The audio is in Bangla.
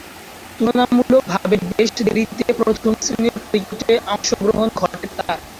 তুলনামূলকভাবে বেশ দেরীতে প্রথম-শ্রেণীর ক্রিকেটে অংশগ্রহণ ঘটে তার।